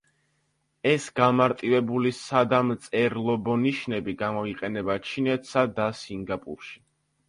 ეს გამარტივებული სადამწერლობო ნიშნები გამოიყენება ჩინეთსა და სინგაპურში.